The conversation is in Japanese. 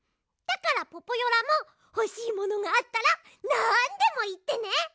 だからポポヨラもほしいものがあったらなんでもいってね！